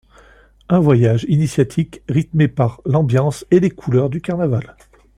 Un voyage initiatique rythmé par l’ambiance et les couleurs du carnaval.